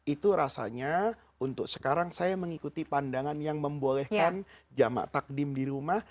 itu rasanya untuk sekarang saya mengikuti pandangan yang membolehkan jamak takdim di rumah